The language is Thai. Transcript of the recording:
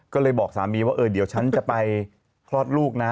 ก็เลยบอกสามีว่าเออเดี๋ยวฉันจะไปคลอดลูกนะ